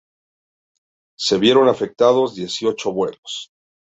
Se vieron afectados dieciocho vuelos.